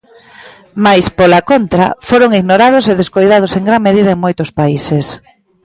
Mais, pola contra, foron ignorados e descoidados en gran medida en moitos países.